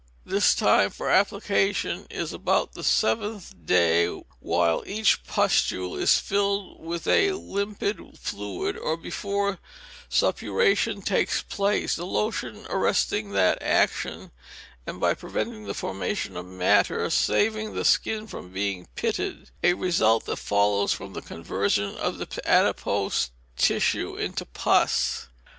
The time for application is about the seventh day, while each pustule is filled with a limpid fluid, or before suppuration takes place, the lotion arresting that action, and by preventing the formation of matter, saving the skin from being pitted; a result that follows from the conversion of the adipose tissue into pus.